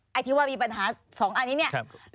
อาจจะว่ามีปัญหา๒อันนี้